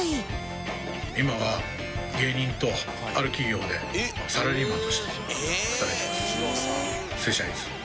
今は芸人とある企業でサラリーマンとして働いています。